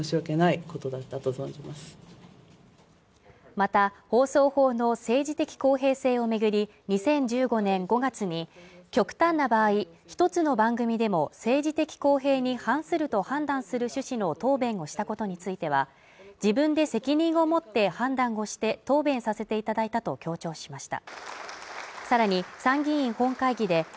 また、放送法の政治的公平性を巡り、２０１５年５月に極端な場合、一つの番組でも政治的公平に反すると判断する趣旨の答弁をしたことについては自分で責任を持って判断をして答弁させていただいたと強調しました。